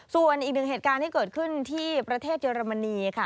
ส่วนอีกหนึ่งเหตุการณ์ที่เกิดขึ้นที่ประเทศเยอรมนีค่ะ